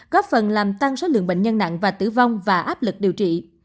góp phần làm tăng số lượng bệnh nhân nặng và tử vong và áp lực điều trị